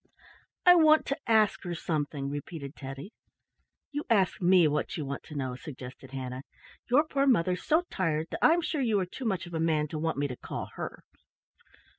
"I want to ask her something," repeated Teddy. "You ask me what you want to know," suggested Hannah. "Your poor mother's so tired that I'm sure you are too much of a man to want me to call her."